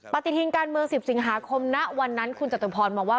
ปฏิทินการเมือง๑๐สิงหาคมณวันนั้นคุณจตุพรมองว่า